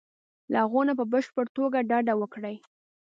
له هغو نه په بشپړه توګه ډډه وکړي.